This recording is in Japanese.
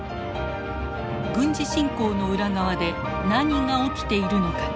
軍事侵攻の裏側で何が起きているのか。